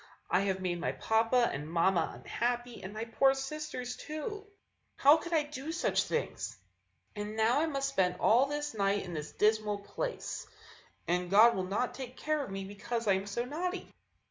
I have made my papa and mamma unhappy, and my poor sisters, too! How could I do such things? And now I must spend all this night in this dismal place; and God will not take care of me because I am so naughty."